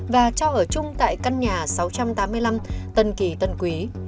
và cho ở chung tại căn nhà sáu trăm tám mươi năm tân kỳ tân quý